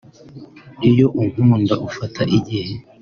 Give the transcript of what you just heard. iyo ukunda ufata igihe